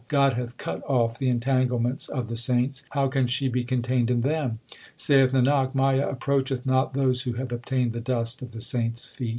God hath cut off the entanglements of the saints ; How can she be contained in them ? Saith Nanak, Maya approacheth not those Who have obtained the dust of the saints feet.